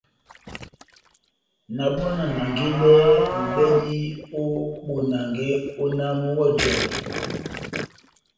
Na bɔ́ na nangedɛhɛni mʼbɛdi ó bonange ó náh múhɔjɔhe.